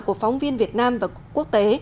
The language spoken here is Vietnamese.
của phóng viên việt nam và quốc tế